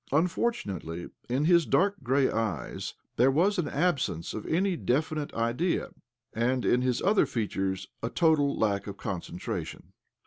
Unfortunately, in his dark grey eyes there was an absence of any definite idea, and in his other features a total lack of concentration